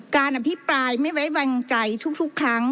การอภิปรายไม่ไว้วางใจทุกครั้ง